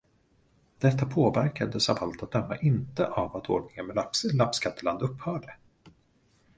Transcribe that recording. Detta påverkades av allt att döma inte av att ordningen med lappskatteland upphörde.